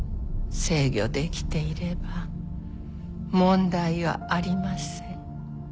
制御できていれば問題はありません。